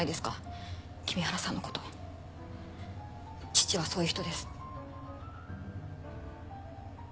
父はそういう人です。